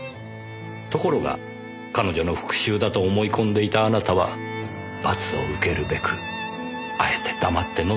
ところが彼女の復讐だと思い込んでいたあなたは罰を受けるべくあえて黙って飲んでしまった。